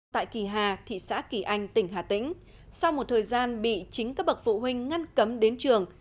tại kỳ hà thị xã kỳ anh tỉnh hà tĩnh sau một thời gian bị chính các bậc phụ huynh ngăn cấm đến trường